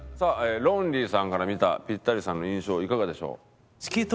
ロンリーさんから見たピッタリさんの印象いかがでしょう？